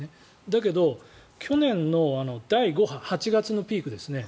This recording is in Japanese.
だけど、去年の第５波８月のピークですね。